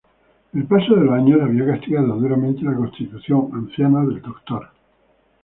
El paso de los años había castigado duramente la constitución anciana del Doctor.